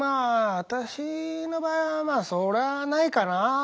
私の場合はそれはないかな。